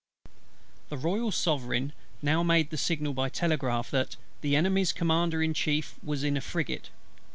The Royal Sovereign now made the signal by telegraph, that "the Enemy's Commander in Chief was in a frigate."